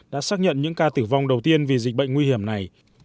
đã xác nhận những ca tử vong đầu tiên vì dịch bệnh nguy hiểm này